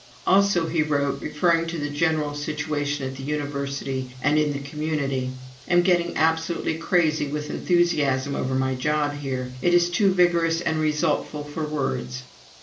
Also he wrote, referring to the general situation at the University and in the community: "Am getting absolutely crazy with enthusiasm over my job here. ... It is too vigorous and resultful for words."